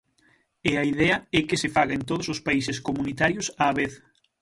E a idea é que se faga en todos os países comunitarios á vez.